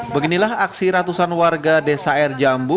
beginilah aksi ratusan warga desa air jambu